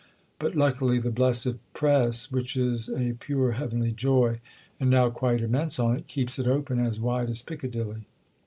But luckily the blessed Press—which is a pure heavenly joy and now quite immense on it—keeps it open as wide as Piccadilly."